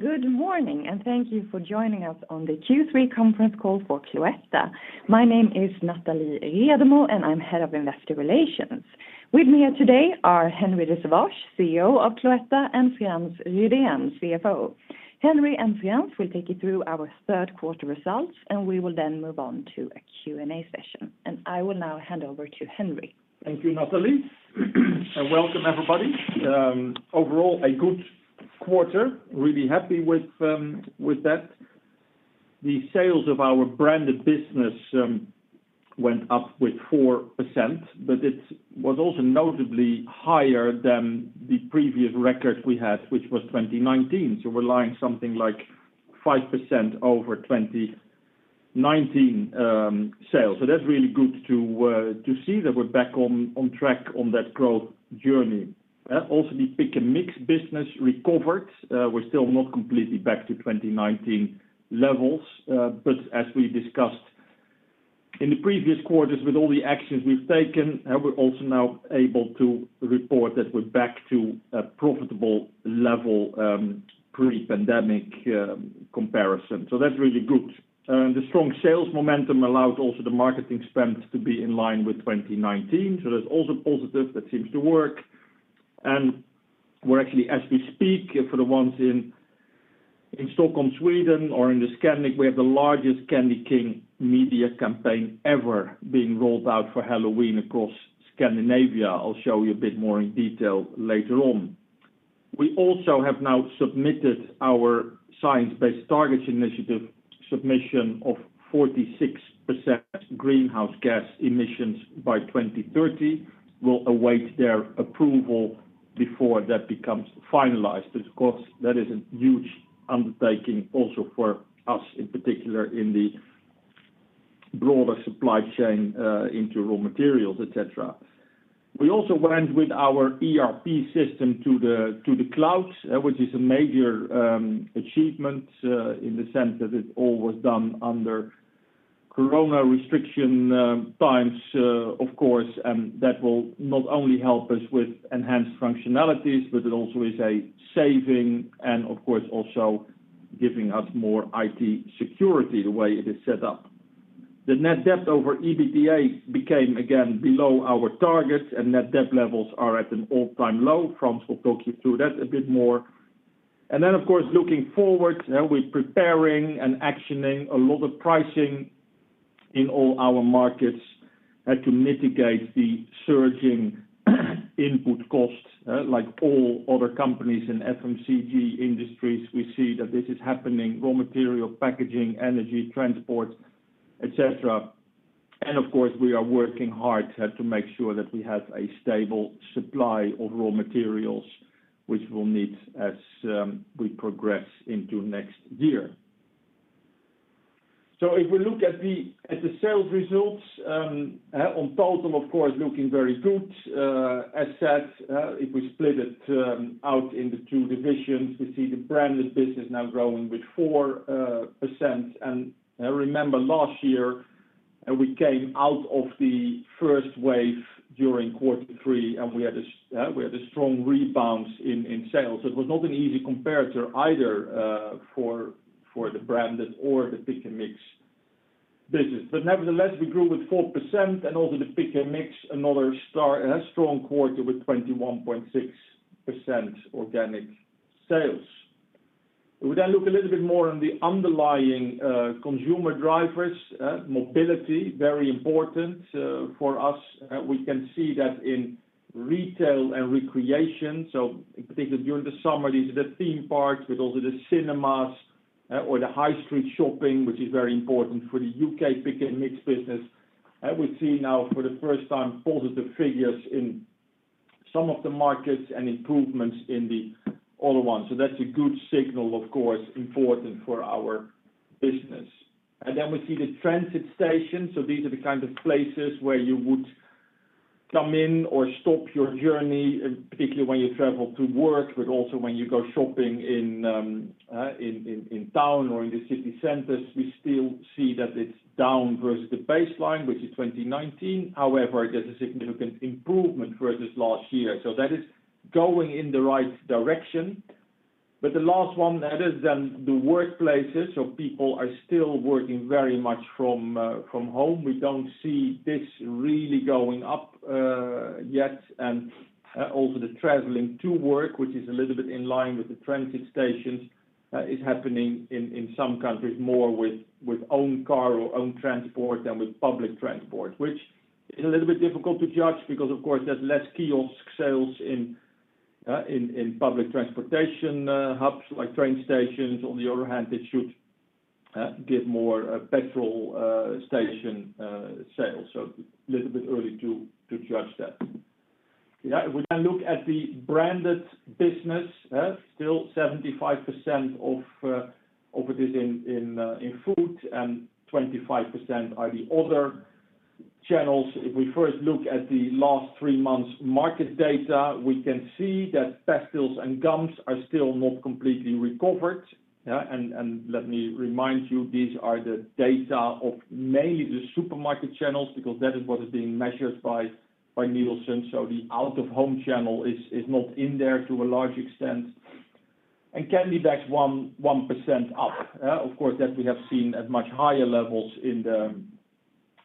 Good morning, and thank you for joining us on the Q3 conference call for Cloetta. My name is Nathalie Redmo, and I'm Head of Investor Relations. With me here today are Henri de Sauvage-Nolting, CEO of Cloetta, and Frans Rydén, CFO. Henri and Frans will take you through our third quarter results, and we will then move on to a Q&A session. I will now hand over to Henri. Thank you, Nathalie. Welcome everybody. Overall, a good quarter, really happy with that. The sales of our branded business went up with 4%, but it was also notably higher than the previous record we had, which was 2019. We're at something like 5% over 2019 sales. That's really good to see that we're back on track on that growth journey. Also the Pick & Mix business recovered. We're still not completely back to 2019 levels. As we discussed in the previous quarters with all the actions we've taken, we're also now able to report that we're back to a profitable level, pre-pandemic comparison. That's really good. The strong sales momentum allowed also the marketing spend to be in line with 2019. That's also positive, that seems to work. We're actually, as we speak, for the ones in Stockholm, Sweden, or in the Scandic, we have the largest Candy King media campaign ever being rolled out for Halloween across Scandinavia. I'll show you a bit more in detail later on. We also have now submitted our Science Based Targets initiative submission of 46% greenhouse gas emissions by 2030. We'll await their approval before that becomes finalized. Of course, that is a huge undertaking also for us, in particular in the broader supply chain, into raw materials, et cetera. We also went with our ERP system to the cloud, which is a major achievement in the sense that it all was done under Corona restriction times, of course, and that will not only help us with enhanced functionalities, but it also is a saving and of course also giving us more IT security the way it is set up. The net debt over EBITDA became again below our targets, and net debt levels are at an all-time low. Frans will talk you through that a bit more. Of course, looking forward, we're preparing and actioning a lot of pricing in all our markets to mitigate the surging input costs. Like all other companies in FMCG industries, we see that this is happening, raw material, packaging, energy, transport, et cetera. Of course, we are working hard to make sure that we have a stable supply of raw materials, which we'll need as we progress into next year. If we look at the sales results in total, of course, looking very good. As said, if we split it out into two divisions, we see the Branded business now growing with 4%. Remember last year we came out of the first wave during quarter three, and we had a strong rebound in sales. It was not an easy comparator either for the Branded or the Pick & Mix business. Nevertheless, we grew with 4% and also the Pick & Mix, another strong quarter with 21.6% organic sales. If we then look a little bit more on the underlying consumer drivers, mobility, very important for us. We can see that in retail and recreation, so in particular during the summer, these are the theme parks, but also the cinemas, or the high street shopping, which is very important for the U.K. Pick & Mix business. We see now for the first time positive figures in some of the markets and improvements in the other ones. That's a good signal, of course, important for our business. We see the transit station. These are the kind of places where you would come in or stop your journey, particularly when you travel to work, but also when you go shopping in town or in the city centers. We still see that it's down versus the baseline, which is 2019. However, there's a significant improvement versus last year. That is going in the right direction. The last one, that is then the workplaces. People are still working very much from home. We don't see this really going up yet. Also the traveling to work, which is a little bit in line with the transit stations, is happening in some countries more with own car or own transport than with public transport. Which is a little bit difficult to judge because of course, there's less kiosk sales in public transportation hubs like train stations. On the other hand, it should give more petrol station sales. Little bit early to judge that. If we then look at the branded business, still 75% of it is in food and 25% are the other channels. If we first look at the last three months market data, we can see that pastilles and gums are still not completely recovered. Let me remind you, these are the data of mainly the supermarket channels, because that is what is being measured by Nielsen, so the out-of-home channel is not in there to a large extent. Candy bags 1% up. Of course, that we have seen at much higher levels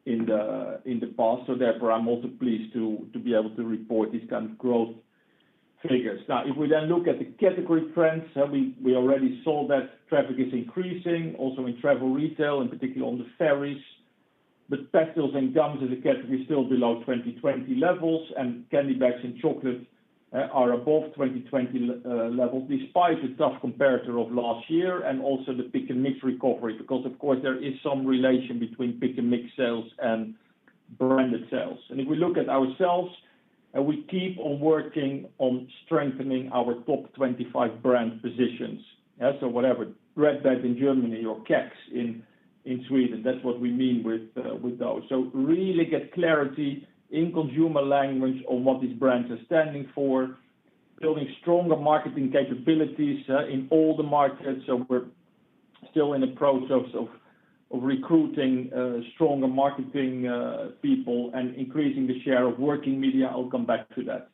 in the past. Therefore, I'm also pleased to be able to report these kind of growth figures. Now, if we look at the category trends, we already saw that traffic is increasing, also in travel retail, and particularly on the ferries. Pastilles and gums as a category is still below 2020 levels, and candy bags and chocolate are above 2020 levels, despite the tough comparator of last year and also the pick & mix recovery. Because, of course, there is some relation between pick & mix sales and branded sales. If we look at ourselves, we keep on working on strengthening our top 25 brand positions. Yeah, whatever Red Band in Germany or Kexchoklad in Sweden, that's what we mean with those. Really get clarity in consumer language on what these brands are standing for, building stronger marketing capabilities in all the markets. We're still in the process of recruiting stronger marketing people and increasing the share of working media. I'll come back to that.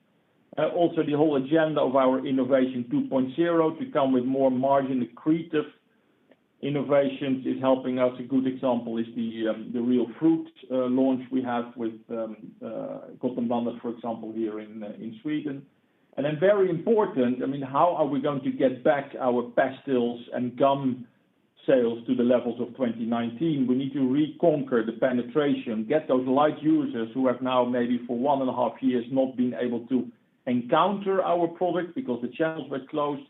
The whole agenda of our innovation 2.0 to come with more margin-accretive innovations is helping us. A good example is the real fruit launch we have with Gott & Blandat, for example, here in Sweden. Very important, I mean, how are we going to get back our pastilles and gum sales to the levels of 2019? We need to reconquer the penetration, get those light users who have now maybe for one and a half years not been able to encounter our product because the channels were closed,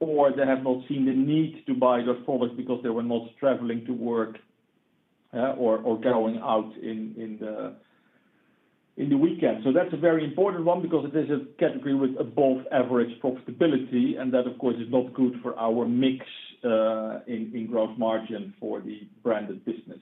or they have not seen the need to buy those products because they were not traveling to work, or going out in the weekend. That's a very important one because it is a category with above average profitability, and that, of course, is not good for our mix in growth margin for the branded business.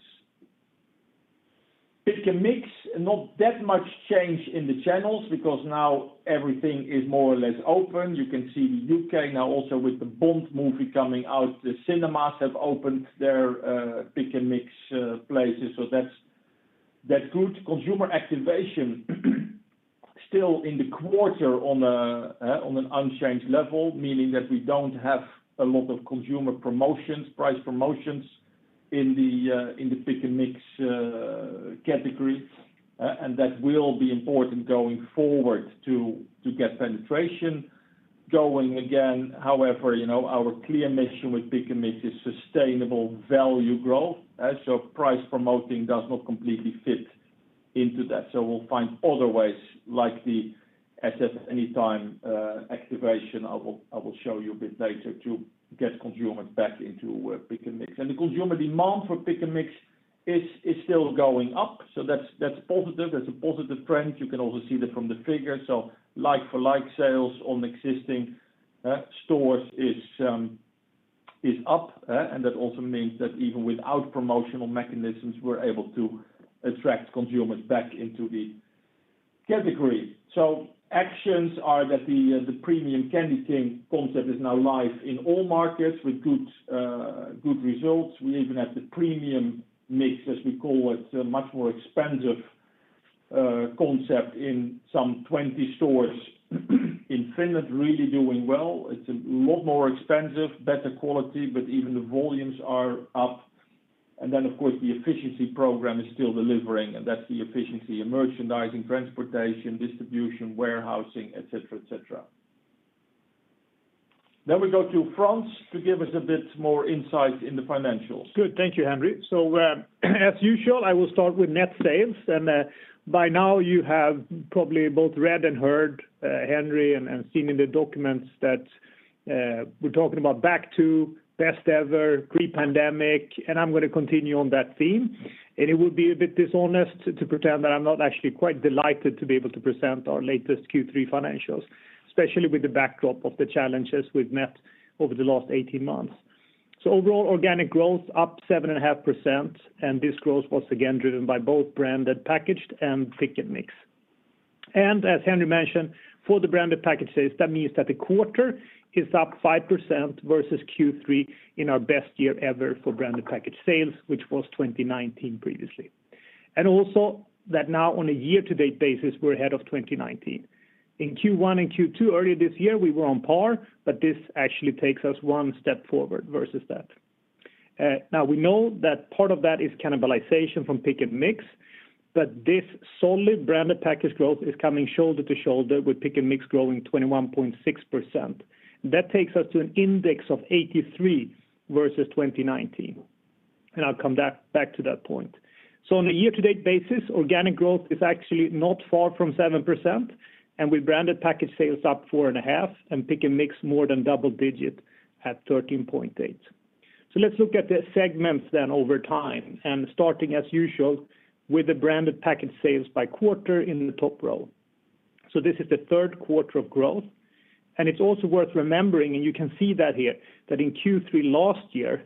Pick & Mix, not that much change in the channels because now everything is more or less open. You can see the U.K. now also with the Bond movie coming out, the cinemas have opened their pick & Mix places. That's good. Consumer activation still in the quarter on an unchanged level, meaning that we don't have a lot of consumer promotions, price promotions in the Pick & Mix category. That will be important going forward to get penetration going again. However, you know, our clear mission with Pick & Mix is sustainable value growth. Price promoting does not completely fit into that. We'll find other ways like the SF Anytime activation, I will show you a bit later, to get consumers back into Pick & Mix. The consumer demand for Pick & Mix is still going up, so that's positive. That's a positive trend. You can also see that from the figures. Like-for-like sales on existing stores is up, and that also means that even without promotional mechanisms, we're able to attract consumers back into the category. Actions are that the premium Candy King concept is now live in all markets with good results. We even have the premium mix, as we call it, a much more expensive concept in some 20 stores in Finland really doing well. It's a lot more expensive, better quality, but even the volumes are up. And then, of course, the efficiency program is still delivering, and that's the efficiency in merchandising, transportation, distribution, warehousing, et cetera. We go to Frans to give us a bit more insight in the financials. Good. Thank you, Henri. As usual, I will start with net sales. By now you have probably both read and heard, Henri, and seen in the documents that we're talking about back to best ever pre-pandemic, and I'm gonna continue on that theme. It would be a bit dishonest to pretend that I'm not actually quite delighted to be able to present our latest Q3 financials, especially with the backdrop of the challenges we've met over the last 18 months. Overall, organic growth up 7.5%, and this growth was again driven by both branded packaged and Pick & Mix. As Henri mentioned, for the branded packaged sales, that means that the quarter is up 5% versus Q3 in our best year ever for branded packaged sales, which was 2019 previously. Also that now on a year-to-date basis, we're ahead of 2019. In Q1 and Q2 earlier this year, we were on par, but this actually takes us one step forward versus that. Now we know that part of that is cannibalization from Pick & Mix, but this solid branded packaged growth is coming shoulder to shoulder with Pick & Mix growing 21.6%. That takes us to an index of 83 versus 2019, and I'll come back to that point. On a year-to-date basis, organic growth is actually not far from 7%, and with branded packaged sales up 4.5, and Pick & Mix more than double digit at 13.8. Let's look at the segments then over time, and starting as usual with the branded packaged sales by quarter in the top row. This is the third quarter of growth, and it's also worth remembering, and you can see that here, that in Q3 last year,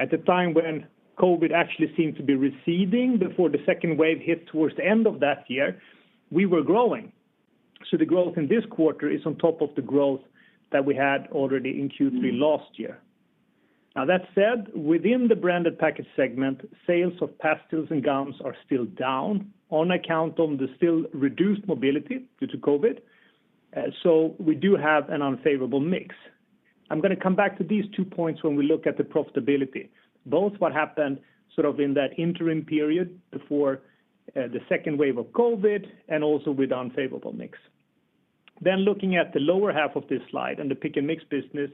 at the time when COVID actually seemed to be receding before the second wave hit towards the end of that year, we were growing. The growth in this quarter is on top of the growth that we had already in Q3 last year. Now that said, within the branded package segment, sales of pastilles and gums are still down on account of the still reduced mobility due to COVID. So we do have an unfavorable mix. I'm gonna come back to these two points when we look at the profitability. Both what happened sort of in that interim period before the second wave of COVID and also with unfavorable mix. Looking at the lower half of this slide and the Pick & Mix business.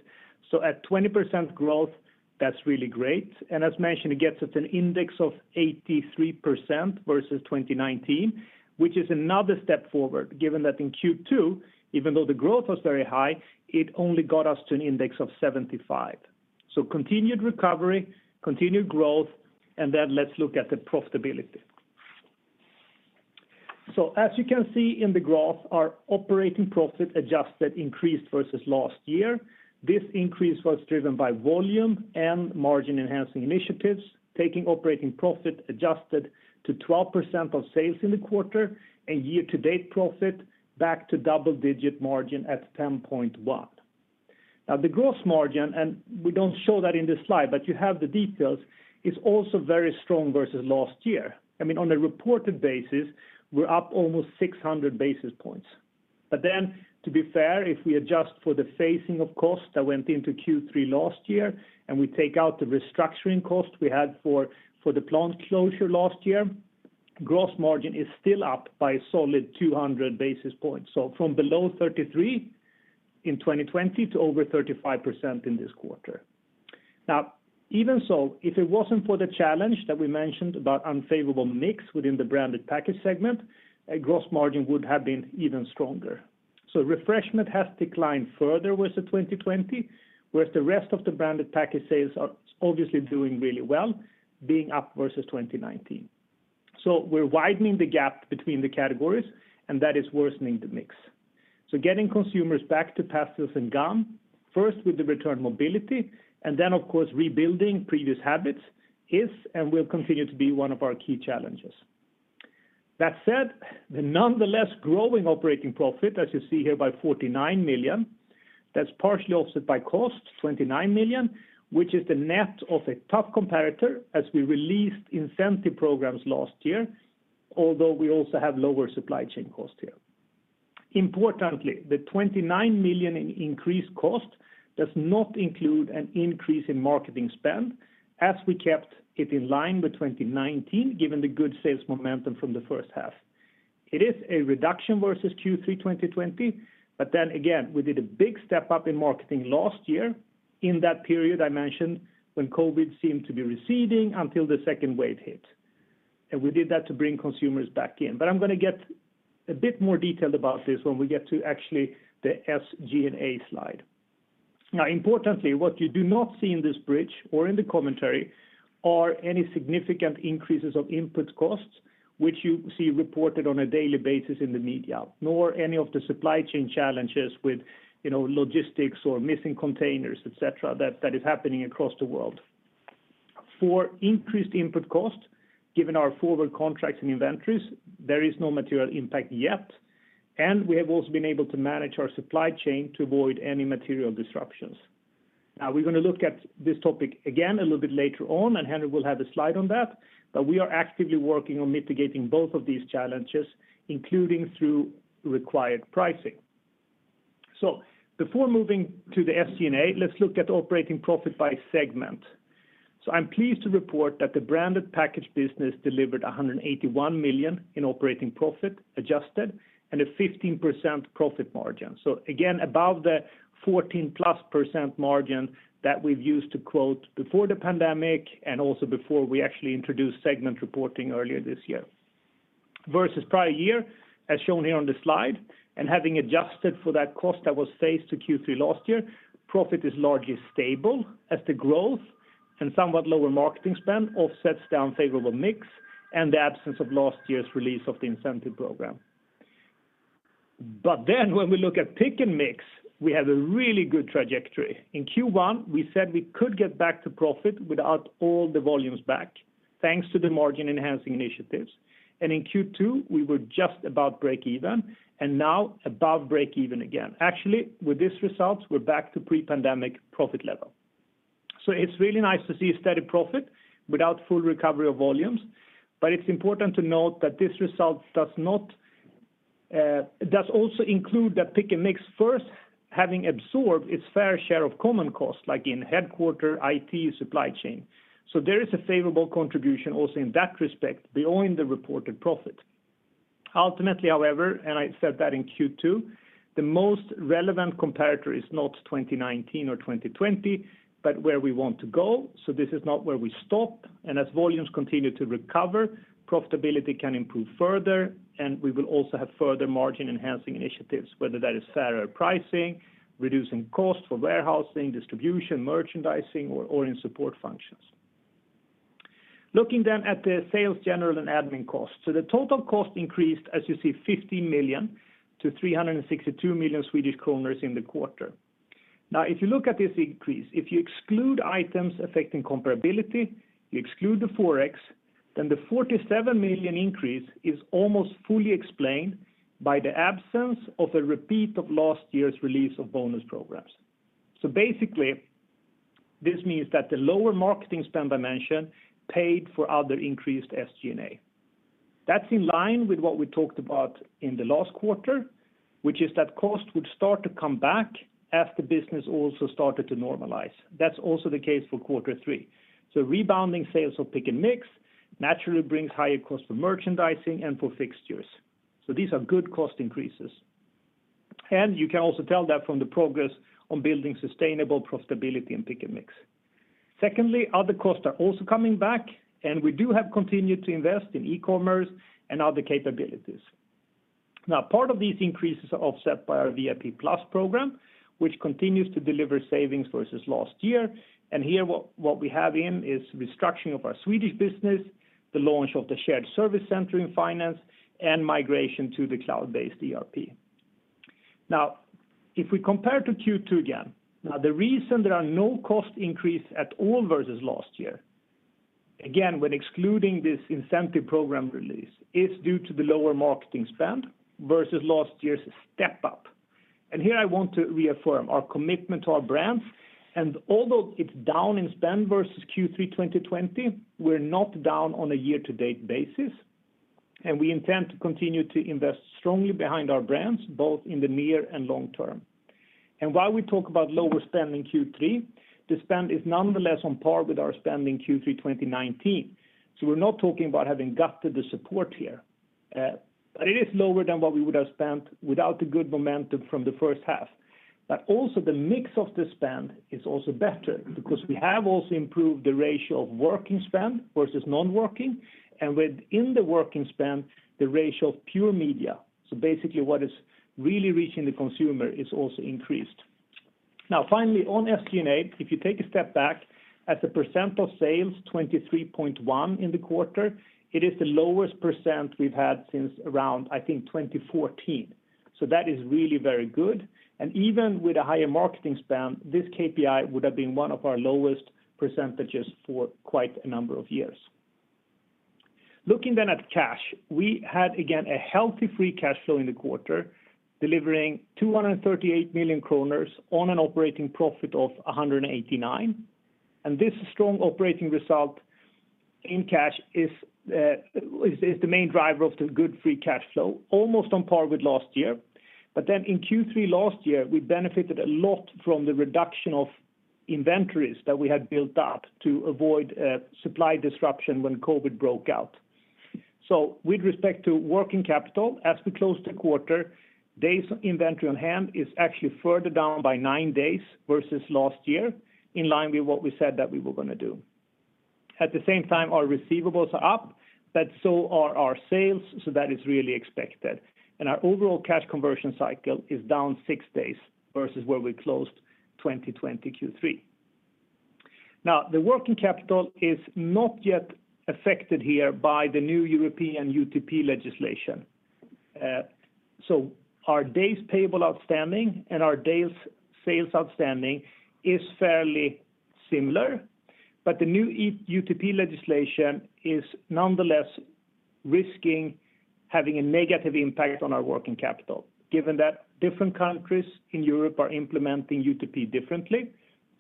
At 20% growth, that's really great. As mentioned, it gets us an index of 83% versus 2019, which is another step forward, given that in Q2, even though the growth was very high, it only got us to an index of 75. Continued recovery, continued growth, let's look at the profitability. As you can see in the graph, our operating profit adjusted increased versus last year. This increase was driven by volume and margin-enhancing initiatives, taking operating profit adjusted to 12% of sales in the quarter and year-to-date profit back to double-digit margin at 10.1%. Now the gross margin, and we don't show that in this slide, but you have the details, is also very strong versus last year. I mean, on a reported basis, we're up almost 600 basis points. To be fair, if we adjust for the phasing of costs that went into Q3 last year, and we take out the restructuring costs we had for the plant closure last year, gross margin is still up by a solid 200 basis points. From below 33% in 2020 to over 35% in this quarter. Now, even so, if it wasn't for the challenge that we mentioned about unfavorable mix within the branded package segment, our gross margin would have been even stronger. Refreshment has declined further versus 2020, whereas the rest of the branded package sales are obviously doing really well, being up versus 2019. We're widening the gap between the categories, and that is worsening the mix. Getting consumers back to pastilles and gum, first with the return mobility, and then of course, rebuilding previous habits is and will continue to be one of our key challenges. That said, the nonetheless growing operating profit, as you see here, by 49 million, that's partially offset by costs, 29 million, which is the net of a tough comparator as we released incentive programs last year, although we also have lower supply chain costs here. Importantly, the 29 million in increased cost does not include an increase in marketing spend, as we kept it in line with 2019, given the good sales momentum from the first half. It is a reduction versus Q3 2020, but then again, we did a big step up in marketing last year in that period I mentioned when COVID seemed to be receding until the second wave hit. We did that to bring consumers back in. I'm gonna get a bit more detailed about this when we get to actually the SG&A slide. Now importantly, what you do not see in this bridge or in the commentary are any significant increases of input costs, which you see reported on a daily basis in the media, nor any of the supply chain challenges with, you know, logistics or missing containers, et cetera, that is happening across the world. For increased input costs, given our forward contracts and inventories, there is no material impact yet. We have also been able to manage our supply chain to avoid any material disruptions. Now we're gonna look at this topic again a little bit later on, and Henri will have a slide on that, but we are actively working on mitigating both of these challenges, including through required pricing. Before moving to the SG&A, let's look at operating profit by segment. I'm pleased to report that the branded package business delivered 181 million in operating profit adjusted and a 15% profit margin. Again, above the 14%+ margin that we've used to quote before the pandemic and also before we actually introduced segment reporting earlier this year. Versus prior year, as shown here on the slide, and having adjusted for that cost that was phased to Q3 last year, profit is largely stable as the growth and somewhat lower marketing spend offsets unfavorable mix and the absence of last year's release of the incentive program. When we look at Pick & Mix, we have a really good trajectory. In Q1, we said we could get back to profit without all the volumes back, thanks to the margin-enhancing initiatives. In Q2, we were just about breakeven, and now above breakeven again. Actually, with this result, we're back to pre-pandemic profit level. It's really nice to see a steady profit without full recovery of volumes. It's important to note that this result does also include that Pick & Mix first, having absorbed its fair share of common costs, like in headquarters, IT, supply chain. There is a favorable contribution also in that respect beyond the reported profit. Ultimately, however, and I said that in Q2, the most relevant comparator is not 2019 or 2020, but where we want to go. This is not where we stop. As volumes continue to recover, profitability can improve further, and we will also have further margin-enhancing initiatives, whether that is fairer pricing, reducing costs for warehousing, distribution, merchandising, or in support functions. Looking at the sales, general, and admin costs. The total cost increased, as you see, 50 million to 362 million Swedish kronor in the quarter. Now, if you look at this increase, if you exclude items affecting comparability, you exclude the FX. Then the 47 million increase is almost fully explained by the absence of a repeat of last year's release of bonus programs. Basically, this means that the lower marketing spend I mentioned paid for other increased SG&A. That's in line with what we talked about in the last quarter, which is that cost would start to come back as the business also started to normalize. That's also the case for quarter three. Rebounding sales of Pick and Mix naturally brings higher cost for merchandising and for fixtures. These are good cost increases. You can also tell that from the progress on building sustainable profitability in Pick & Mix. Secondly, other costs are also coming back, and we do have continued to invest in e-commerce and other capabilities. Now part of these increases are offset by our VIP+ program, which continues to deliver savings versus last year. Here, what we have in is restructuring of our Swedish business, the launch of the shared service center in finance, and migration to the cloud-based ERP. Now, if we compare to Q2 again, the reason there are no cost increase at all versus last year, again, when excluding this incentive program release, is due to the lower marketing spend versus last year's step up. Here I want to reaffirm our commitment to our brands, and although it's down in spend versus Q3 2020, we're not down on a year to date basis, and we intend to continue to invest strongly behind our brands, both in the near and long term. While we talk about lower spend in Q3, the spend is nonetheless on par with our spend in Q3 2019. We're not talking about having gutted the support here. It is lower than what we would have spent without the good momentum from the first half. Also the mix of the spend is also better because we have also improved the ratio of working spend versus non-working, and within the working spend, the ratio of pure media. Basically what is really reaching the consumer is also increased. Now finally, on SG&A, if you take a step back, at the percent of sales, 23.1% in the quarter, it is the lowest percent we've had since around, I think, 2014. That is really very good. Even with a higher marketing spend, this KPI would have been one of our lowest % for quite a number of years. Looking at cash, we had again a healthy free cash flow in the quarter, delivering 238 million kronor on an operating profit of 189 million. This strong operating result in cash is the main driver of the good free cash flow, almost on par with last year. In Q3 last year, we benefited a lot from the reduction of inventories that we had built up to avoid supply disruption when COVID broke out. With respect to working capital, as we close the quarter, days inventory on hand is actually further down by nine days versus last year, in line with what we said that we were gonna do. At the same time, our receivables are up, but so are our sales, so that is really expected. Our overall cash conversion cycle is down six days versus where we closed 2020 Q3. Now, the working capital is not yet affected here by the new European UTP legislation. Our days payable outstanding and our days sales outstanding is fairly similar, the new EU-UTP legislation is nonetheless risking having a negative impact on our working capital, given that different countries in Europe are implementing UTP differently,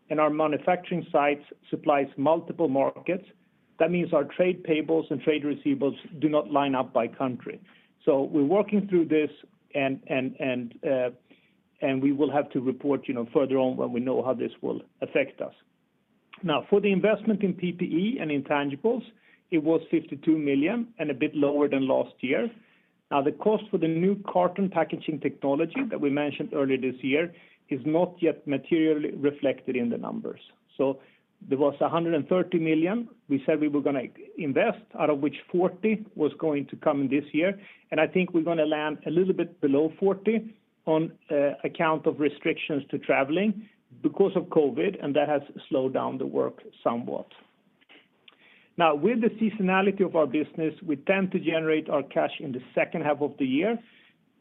and our manufacturing sites supplies multiple markets. That means our trade payables and trade receivables do not line up by country. We're working through this and we will have to report, you know, further on when we know how this will affect us. Now, for the investment in PPE and intangibles, it was 52 million and a bit lower than last year. Now the cost for the new carton packaging technology that we mentioned earlier this year is not yet materially reflected in the numbers. There was 130 million we said we were gonna invest, out of which 40 million was going to come in this year. I think we're gonna land a little bit below 40 million on account of restrictions to traveling because of COVID, and that has slowed down the work somewhat. Now, with the seasonality of our business, we tend to generate our cash in the second half of the year.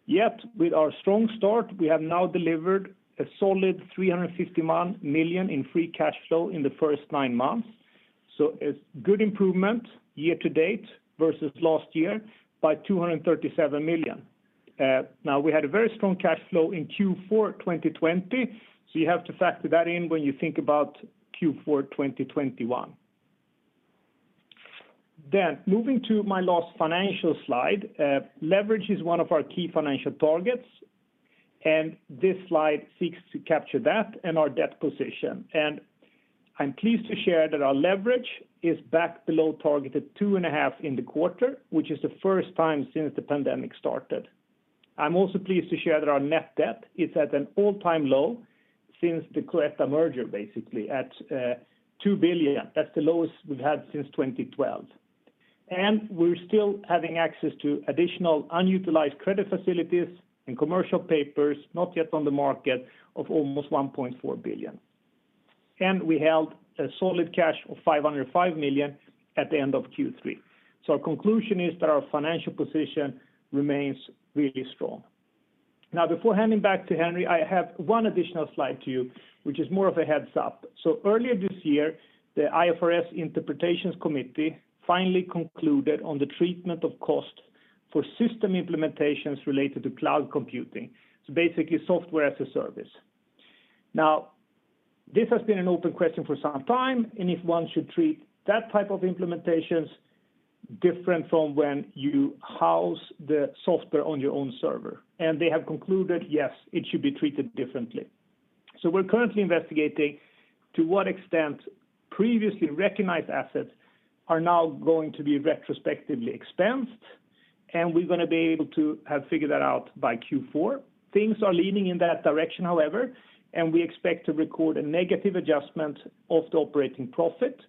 Yet with our strong start, we have now delivered a solid 350 million in free cash flow in the first nine months. A good improvement year to date versus last year by 237 million. Now we had a very strong cash flow in Q4 2020, so you have to factor that in when you think about Q4 2021. Moving to my last financial slide, leverage is one of our key financial targets, and this slide seeks to capture that and our debt position. I'm pleased to share that our leverage is back below targeted 2.5 in the quarter, which is the first time since the pandemic started. I'm also pleased to share that our net debt is at an all-time low since the Cloetta merger, basically at 2 billion. That's the lowest we've had since 2012. We're still having access to additional unutilized credit facilities and commercial papers, not yet on the market, of almost 1.4 billion. We held a solid cash of 505 million at the end of Q3. Our conclusion is that our financial position remains really strong. Now before handing back to Henri, I have one additional slide to you, which is more of a heads-up. Earlier this year, the IFRS Interpretations Committee finally concluded on the treatment of cost for system implementations related to cloud computing. Basically, software as a service. Now, this has been an open question for some time, and if one should treat that type of implementations different from when you house the software on your own server. They have concluded, yes, it should be treated differently. We're currently investigating to what extent previously recognized assets are now going to be retrospectively expensed, and we're gonna be able to have figured that out by Q4. Things are leaning in that direction, however, and we expect to record a negative adjustment of the operating profit.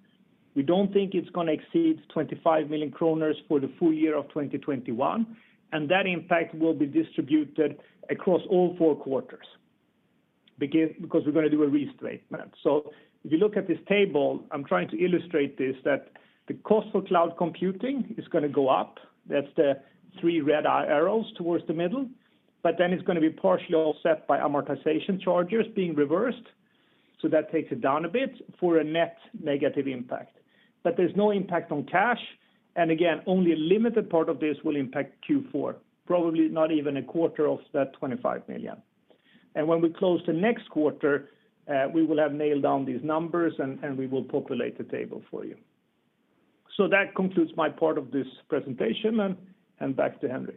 We don't think it's gonna exceed 25 million kronor for the full year of 2021, and that impact will be distributed across all four quarters because we're gonna do a restatement. If you look at this table, I'm trying to illustrate this, that the cost of cloud computing is gonna go up. That's the three red arrows towards the middle. But then it's gonna be partially offset by amortization charges being reversed, so that takes it down a bit for a net negative impact. There's no impact on cash, and again, only a limited part of this will impact Q4, probably not even a quarter of that 25 million. When we close the next quarter, we will have nailed down these numbers, and we will populate the table for you. That concludes my part of this presentation, and back to Henri.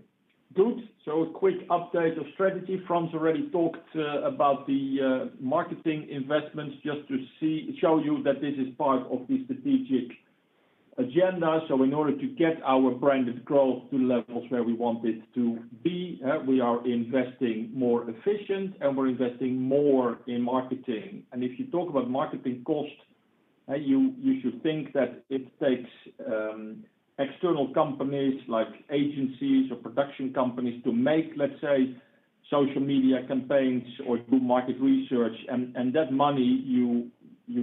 Good. A quick update of strategy. Frans already talked about the marketing investments to show you that this is part of the strategic agenda. In order to get our branded growth to levels where we want it to be, we are investing more efficient, and we're investing more in marketing. If you talk about marketing cost, you should think that it takes external companies like agencies or production companies to make, let's say, social media campaigns or do market research. That money you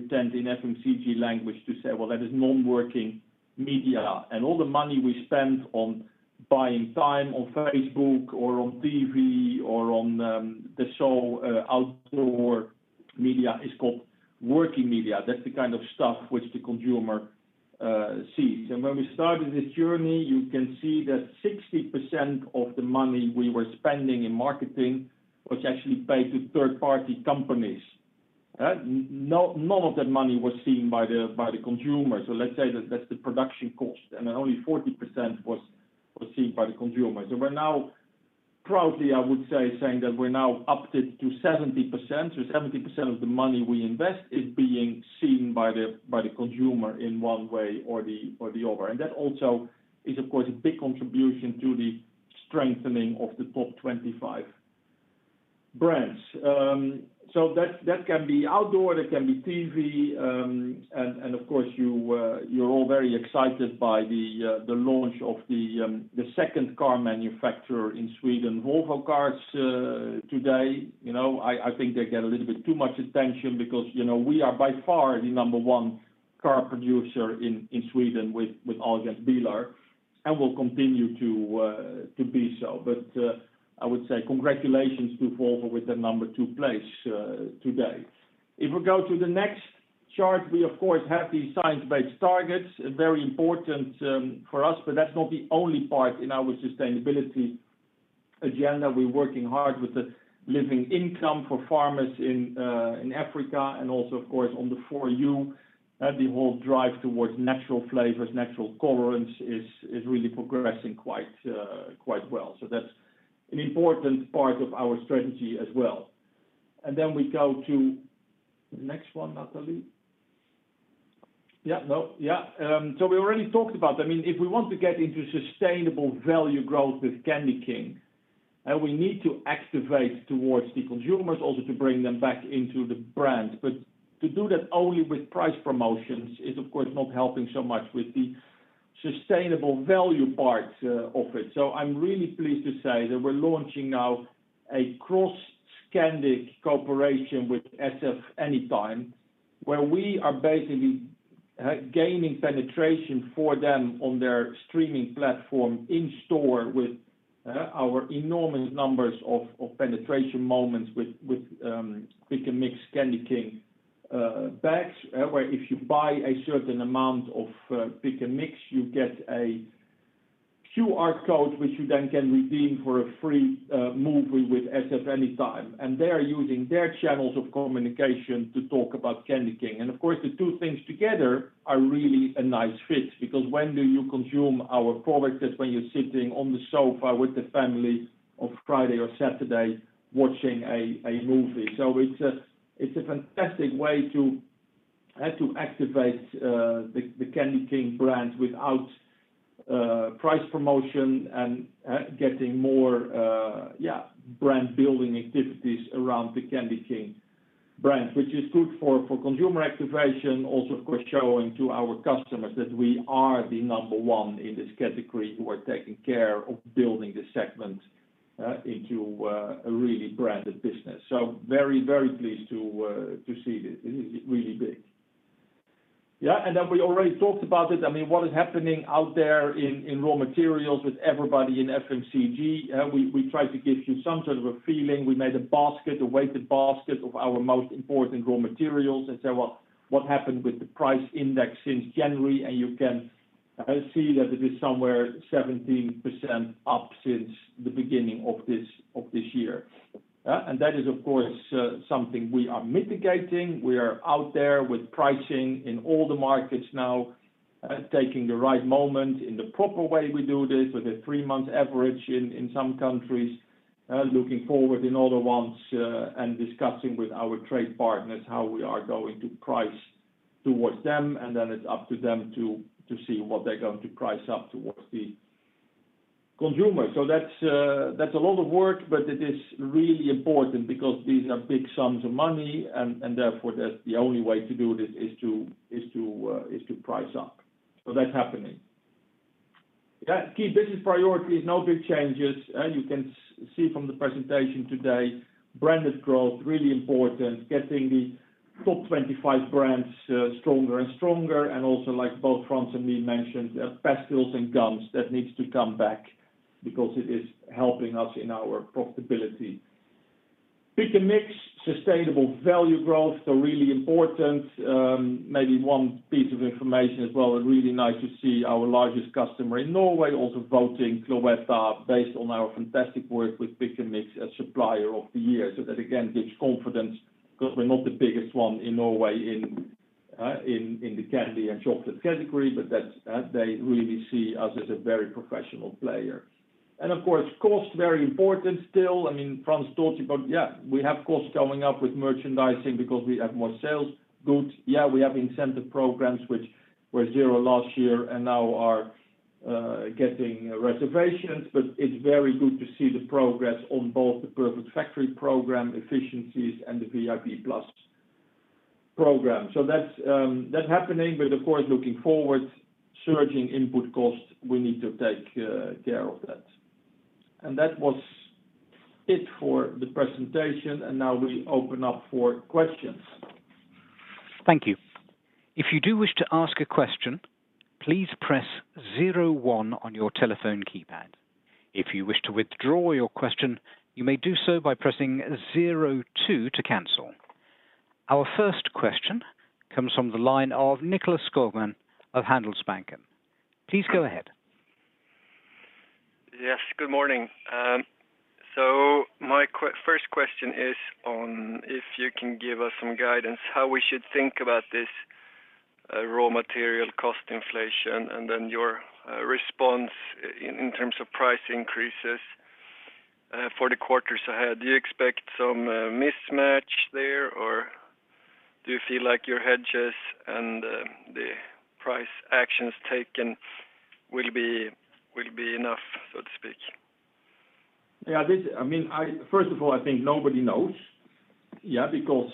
tend in FMCG language to say, "Well, that is non-working media." All the money we spend on buying time on Facebook or on TV or on outdoor media is called working media. That's the kind of stuff which the consumer sees. When we started this journey, you can see that 60% of the money we were spending in marketing was actually paid to third-party companies. None of that money was seen by the consumer. Let's say that that's the production cost, and then only 40% was seen by the consumer. We're now proudly, I would say, saying that we're now upped it to 70%, so 70% of the money we invest is being seen by the consumer in one way or the other. That also is of course a big contribution to the strengthening of the top 25 brands. That can be outdoor, that can be TV. Of course you're all very excited by the launch of the second car manufacturer in Sweden, Volvo Cars, today. You know, I think they get a little bit too much attention because, you know, we are by far the number one car producer in Sweden with Ahlgrens bilar, and we'll continue to be so. I would say congratulations to Volvo with the number two place today. If we go to the next chart, we of course have these Science Based Targets, very important for us, but that's not the only part in our sustainability agenda. We're working hard with the living income for farmers in Africa and also of course on the For You, the whole drive towards natural flavors, natural colorants is really progressing quite well. So that's an important part of our strategy as well. Then we go to the next one, Nathalie. Yeah. No. Yeah. We already talked about, I mean, if we want to get into sustainable value growth with CandyKing, we need to activate towards the consumers also to bring them back into the brand. To do that only with price promotions is of course not helping so much with the sustainable value part of it. I'm really pleased to say that we're launching now a cross-Scandinavian cooperation with SF Anytime, where we are basically gaining penetration for them on their streaming platform in store with our enormous numbers of penetration moments with Pick & Mix CandyKing bags, where if you buy a certain amount of Pick & Mix, you get a QR code, which you then can redeem for a free movie with SF Anytime, and they are using their channels of communication to talk about CandyKing. Of course, the two things together are really a nice fit because when do you consume our products is when you're sitting on the sofa with the family on Friday or Saturday watching a movie. It's a fantastic way to activate the CandyKing brand without price promotion and getting more brand building activities around the CandyKing brand, which is good for consumer activation. Also, of course, showing to our customers that we are the number one in this category who are taking care of building the segment into a really branded business. Very pleased to see this. It is really big. Yeah, then we already talked about it. I mean, what is happening out there in raw materials with everybody in FMCG. We tried to give you some sort of a feeling. We made a basket, a weighted basket of our most important raw materials and say, well, what happened with the price index since January, and you can see that it is somewhere 17% up since the beginning of this year. That is, of course, something we are mitigating. We are out there with pricing in all the markets now, taking the right moment in the proper way we do this with a three-month average in some countries, looking forward in other ones, and discussing with our trade partners how we are going to price towards them, and then it's up to them to see what they're going to price up towards the consumer. That's a lot of work, but it is really important because these are big sums of money and therefore, that's the only way to do this is to price up. That's happening. Yeah. Key business priorities, no big changes. You can see from the presentation today, branded growth, really important, getting the top 25 brands stronger and stronger and also like both Frans and me mentioned, pastilles and gums, that needs to come back because it is helping us in our profitability. Pick & Mix, sustainable value growth, so really important. Maybe one piece of information as well, really nice to see our largest customer in Norway also voting Cloetta based on our fantastic work with Pick & Mix as Supplier of the Year. That again gives confidence because we're not the biggest one in Norway in the candy and chocolate category, but they really see us as a very professional player. Of course, cost, very important still. I mean, Frans told you but yeah, we have costs going up with merchandising because we have more sales. Good. Yeah, we have incentive programs which were zero last year and now are getting reservations, but it's very good to see the progress on both the Perfect Factory program efficiencies and the VIP Plus program. That's happening. Of course, looking forward, surging input costs, we need to take care of that. That was it for the presentation, and now we open up for questions. Thank you. If you do wish to ask a question, please press 01 on your telephone keypad. If you wish to withdraw your question, you may do so by pressing 02 to cancel. Our first question comes from the line of Nicklas Skogman of Handelsbanken. Please go ahead. Yes, good morning. My first question is on if you can give us some guidance how we should think about this raw material cost inflation and then your response in terms of price increases for the quarters ahead. Do you expect some mismatch there, or do you feel like your hedges and the price actions taken will be enough, so to speak? First of all, I think nobody knows, because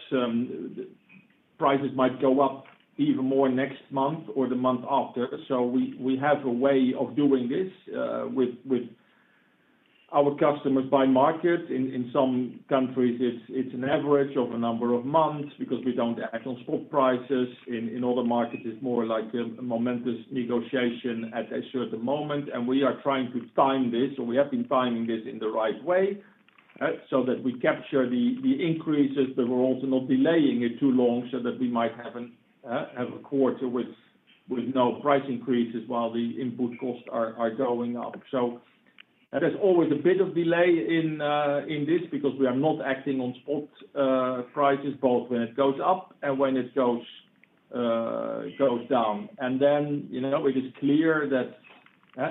prices might go up even more next month or the month after. We have a way of doing this with our customers by market. In some countries, it's an average of a number of months because we don't act on spot prices. In other markets, it's more like a momentous negotiation at a certain moment. We are trying to time this, or we have been timing this in the right way so that we capture the increases, but we're also not delaying it too long so that we might have a quarter with no price increases while the input costs are going up. There is always a bit of delay in this because we are not acting on spot prices, both when it goes up and when it goes down. You know, it is clear that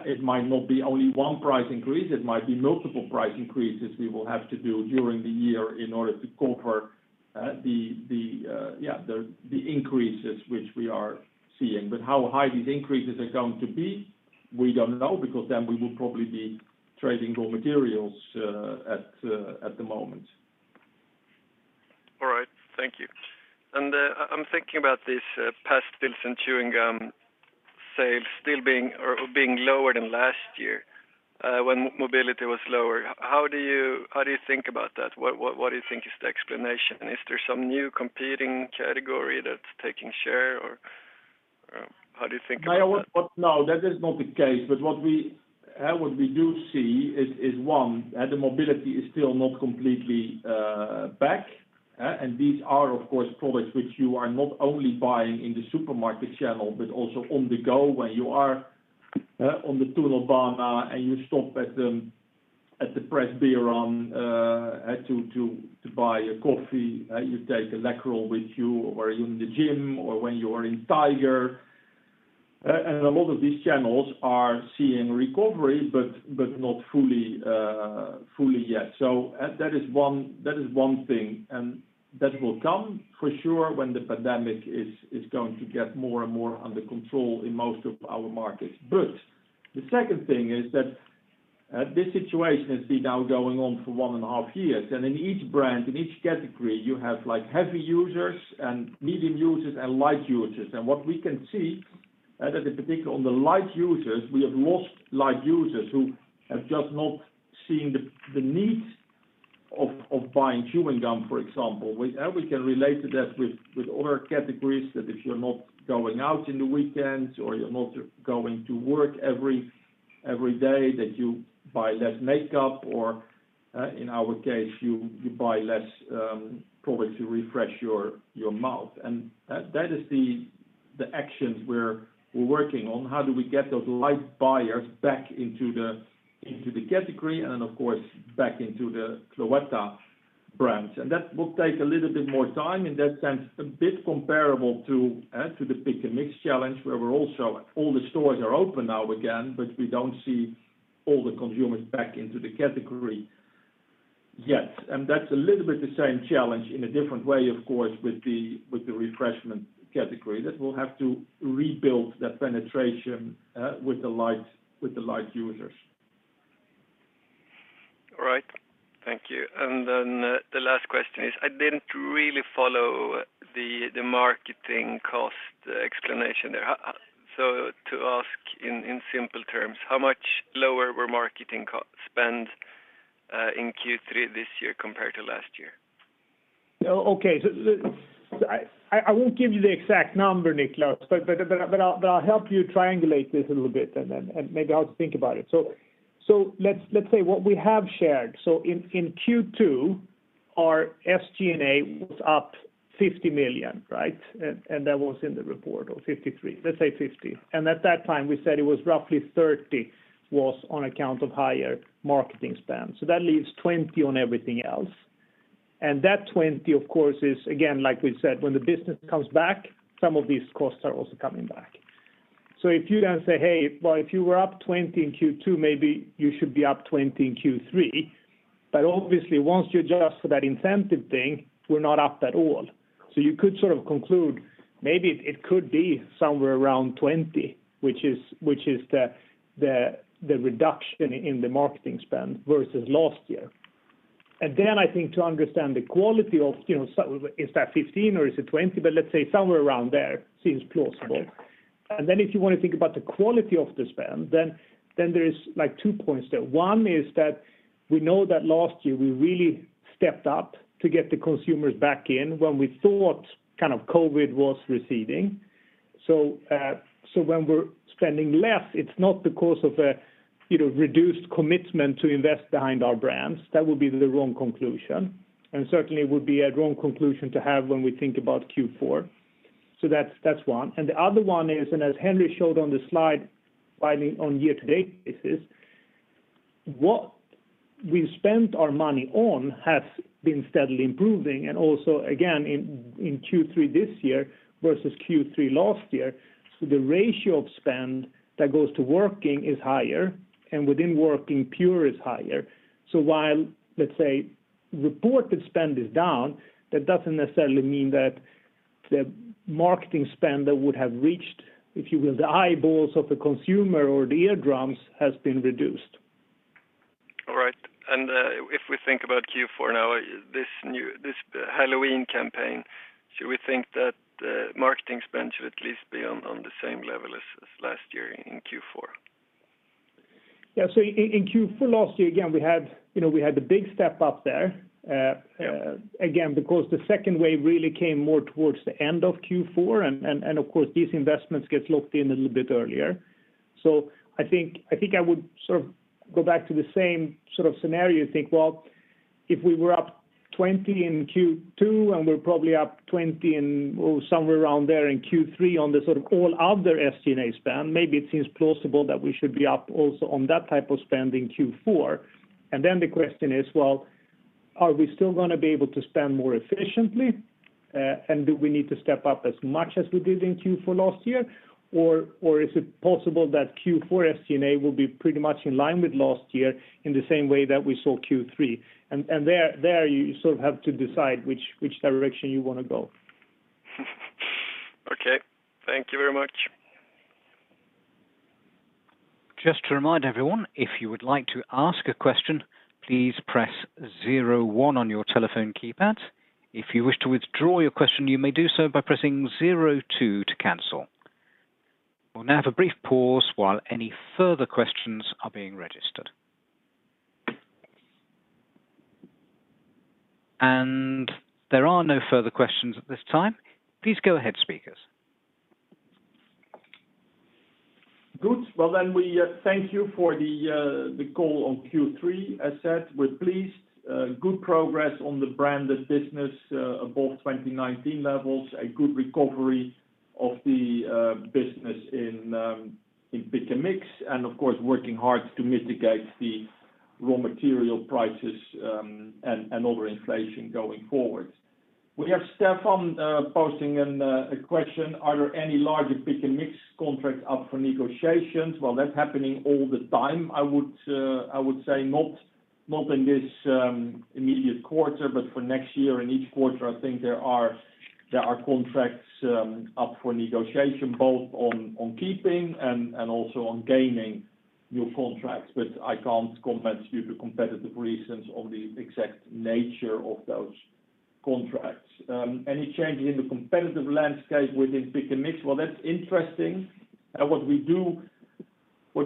it might not be only one price increase, it might be multiple price increases we will have to do during the year in order to cover the increases which we are seeing. How high these increases are going to be, we don't know because then we would probably be trading raw materials at the moment. All right, thank you. I'm thinking about this, pastilles and chewing gum sales still being or being lower than last year, when mobility was lower. How do you think about that? What do you think is the explanation? Is there some new competing category that's taking share or how do you think about that? No, that is not the case. What we do see is one, the mobility is still not completely back. These are, of course, products which you are not only buying in the supermarket channel, but also on the go when you are on the tunnelbanan and you stop at the Pressbyrån to buy a coffee. You take a Läkerol with you, or you're in the gym or when you are in Tiger. A lot of these channels are seeing recovery, but not fully yet. That is one thing. That will come for sure when the pandemic is going to get more and more under control in most of our markets. The second thing is that this situation has been now going on for 1.5 years, and in each brand, in each category, you have like heavy users and medium users and light users. What we can see that in particular on the light users, we have lost light users who have just not seen the need of buying chewing gum, for example, which and we can relate to that with other categories that if you're not going out in the weekends or you're not going to work every day, that you buy less makeup, or in our case, you buy less products to refresh your mouth. That is the actions we're working on. How do we get those light buyers back into the category and then of course back into the Cloetta brands? That will take a little bit more time in that sense, a bit comparable to the Pick & Mix challenge, where all the stores are open now again, but we don't see all the consumers back into the category yet. That's a little bit the same challenge in a different way, of course, with the refreshment category that we'll have to rebuild that penetration with the light users. All right. Thank you. The last question is, I didn't really follow the marketing cost explanation there. To ask in simple terms, how much lower were marketing spend in Q3 this year compared to last year? No. Okay. I won't give you the exact number, Niklas, but I'll help you triangulate this a little bit and maybe I'll think about it. Let's say what we have shared. In Q2, our SG&A was up 50 million, right? That was in the report, or 53. Let's say 50. At that time we said it was roughly 30 million was on account of higher marketing spend. That leaves 20 million on everything else. That 20 million, of course, is again, like we said, when the business comes back, some of these costs are also coming back. If you then say, "Hey, well, if you were up 20 million in Q2, maybe you should be up 20 million in Q3." Obviously once you adjust for that incentive thing, we're not up at all. You could sort of conclude maybe it could be somewhere around 20%, which is the reduction in the marketing spend versus last year. I think to understand the quality of, you know, so is that 15% or is it 20%? Let's say somewhere around there seems plausible. If you wanna think about the quality of the spend, there is like two points there. One is that we know that last year we really stepped up to get the consumers back in when we thought kind of COVID was receding. When we're spending less, it's not the course of a, you know, reduced commitment to invest behind our brands. That would be the wrong conclusion, and certainly would be a wrong conclusion to have when we think about Q4. That's one. The other one is, and as Henri showed on the slide finally on year-to-date basis, what we've spent our money on has been steadily improving and also again in Q3 this year versus Q3 last year. The ratio of spend that goes to working is higher, and within working, pure is higher. While, let's say, reported spend is down, that doesn't necessarily mean that the marketing spend that would have reached, if you will, the eyeballs of the consumer or the eardrums has been reduced. All right. If we think about Q4 now, this new Halloween campaign, should we think that marketing spend should at least be on the same level as last year in Q4? Yeah. In Q4 last year, again, we had, you know, the big step up there. Yeah Again, because the second wave really came more towards the end of Q4, and of course these investments get locked in a little bit earlier. I think I would sort of go back to the same sort of scenario. Well, if we were up 20% in Q2, and we're probably up 20% or somewhere around there in Q3 on the sort of all other SG&A spend, maybe it seems plausible that we should be up also on that type of spend in Q4. The question is, well, are we still gonna be able to spend more efficiently? Do we need to step up as much as we did in Q4 last year? Is it possible that Q4 SG&A will be pretty much in line with last year in the same way that we saw Q3? there you sort of have to decide which direction you wanna go. Okay. Thank you very much. Good. Well, we thank you for the call on Q3. As said, we're pleased good progress on the branded business above 2019 levels, a good recovery of the business in Pick & Mix, and of course, working hard to mitigate the raw material prices and other inflation going forward. We have Staffan posting a question. Are there any larger Pick & Mix contracts up for negotiations? Well, that's happening all the time. I would say not in this immediate quarter, but for next year and each quarter, I think there are contracts up for negotiation, both on keeping and also on gaining new contracts. I can't comment due to competitive reasons on the exact nature of those contracts. Any changes in the competitive landscape within Pick & Mix? Well, that's interesting. What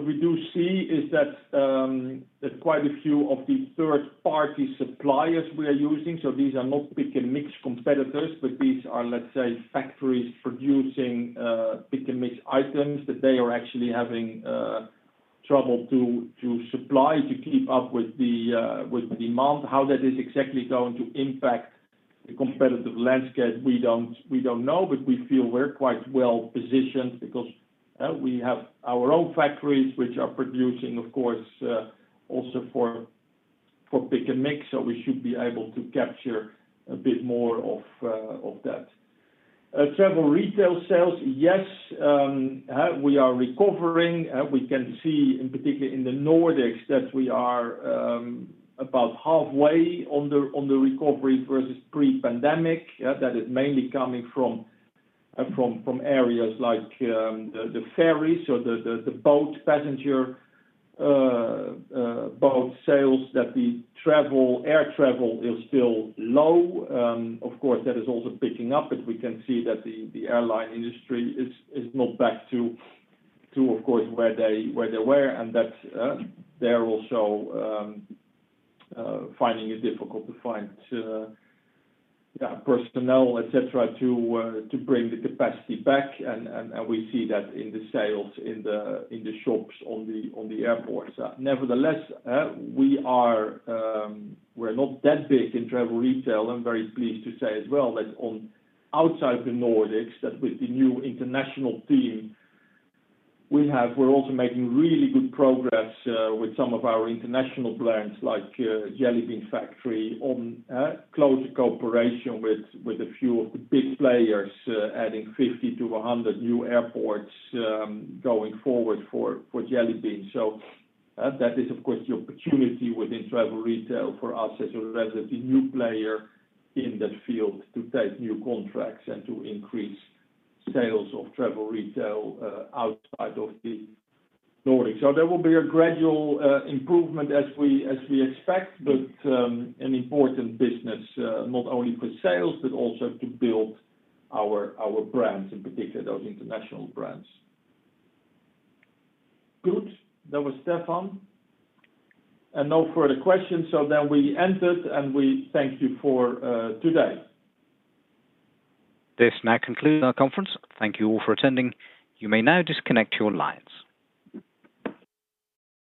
we see is that there's quite a few of the third-party suppliers we are using, so these are not Pick & Mix competitors, but these are, let's say, factories producing Pick & Mix items that they are actually having trouble to supply to keep up with the demand. How that is exactly going to impact the competitive landscape, we don't know. We feel we're quite well-positioned because we have our own factories which are producing, of course, also for Pick & Mix. We should be able to capture a bit more of that. Travel retail sales, yes, we are recovering. We can see in particular in the Nordics that we are about halfway on the recovery versus pre-pandemic. That is mainly coming from areas like the ferries or the boat passenger boat sails that the air travel is still low. Of course, that is also picking up, but we can see that the airline industry is not back to, of course, where they were. They're also finding it difficult to find personnel, et cetera, to bring the capacity back, and we see that in the sales in the shops on the airports. Nevertheless, we're not that big in travel retail. I'm very pleased to say as well that outside the Nordics, with the new international team we have, we're also making really good progress with some of our international brands like Jelly Bean Factory in close cooperation with a few of the big players, adding 50-100 new airports going forward for Jelly Bean. That is of course the opportunity within travel retail for us as a relatively new player in that field to take new contracts and to increase sales of travel retail outside of the Nordics. There will be a gradual improvement as we, as we expect, but an important business not only for sales, but also to build our brands, in particular, those international brands. Good. That was Stefan. No further questions. We ended, and we thank you for today. This now concludes our conference. Thank you all for attending. You may now disconnect your lines.